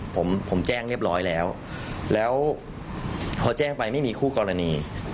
ผมผมแจ้งเรียบร้อยแล้วแล้วพอแจ้งไปไม่มีคู่กรณี